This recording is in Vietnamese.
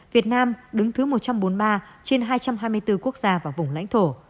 việt nam đứng thứ một trăm bốn mươi ba trên hai trăm hai mươi bốn quốc gia và vùng lãnh thổ